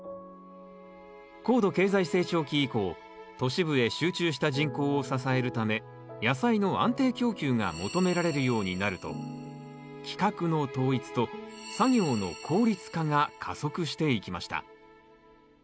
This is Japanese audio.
高度経済成長期以降都市部へ集中した人口を支えるため野菜の安定供給が求められるようになると規格の統一と作業の効率化が加速していきました。